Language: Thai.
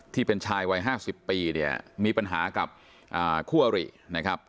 ที่เป็นชายวัยห้าสิบปีเนี่ยมีปัญหากับอ่าคั่วหรี่นะครับ